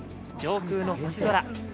上空の星空